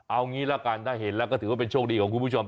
เอางี้ละกันถ้าเห็นแล้วก็ถือว่าเป็นโชคดีของคุณผู้ชม